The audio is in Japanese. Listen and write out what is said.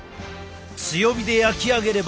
強火で焼き上げれ